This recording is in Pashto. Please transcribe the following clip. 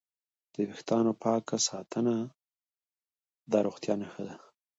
د وېښتانو پاک ساتنه د روغتیا نښه ده.